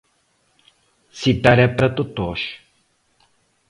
Citar é para totós!